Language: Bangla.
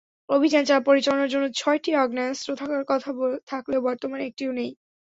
অভিযান পরিচালনার জন্য ছয়টি আগ্নেয়াস্ত্র থাকার কথা থাকলেও বর্তমানে একটিও নেই।